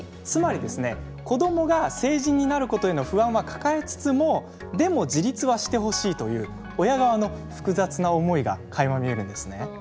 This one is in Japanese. つまりですね子どもが成人になることへの不安は抱えつつもでも自立はしてほしいという親側の複雑な思いがかいま見えるんですね。